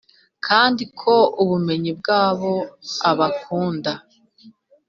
kandi ko ubumenyi bwabo abakunda